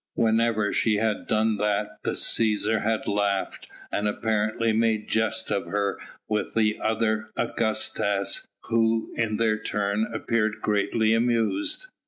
Whenever she had done that the Cæsar had laughed, and apparently made jest of her with the other Augustas who, in their turn, appeared greatly amused.